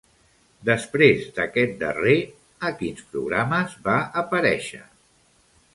Després d'aquest darrer, a quins programes va aparèixer?